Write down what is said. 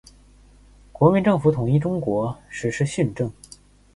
国民政府统一中国，实施训政。